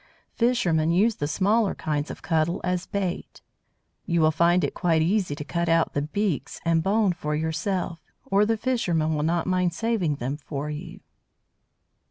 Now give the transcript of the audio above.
Fishermen use the smaller kinds of Cuttle as bait. You will find it quite easy to cut out the "beaks" and "bone" for yourself, or the fishermen will not mind saving them for you.